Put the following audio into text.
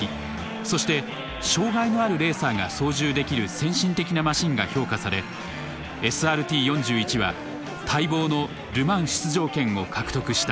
そして障害のあるレーサーが操縦できる先進的なマシンが評価されＳＲＴ４１は待望のル・マン出場権を獲得した。